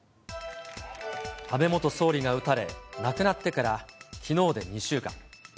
安倍元総理が撃たれ亡くなってから、きのうで２週間。